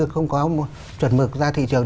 không có chuẩn mực ra thị trường